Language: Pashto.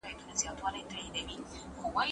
سوداګري ډېر صبر غواړي.